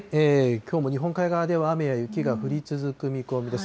きょうも日本海側では、雨や雪が降り続く見込みです。